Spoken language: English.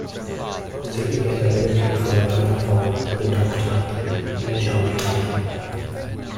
They began by looking for their grandfather, the Doctor, in a junkyard.